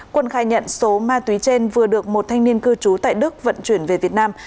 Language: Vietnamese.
quân khai nhận số ma túy trên vừa được một thanh niên cư trú tại đức vận chuyển về việt nam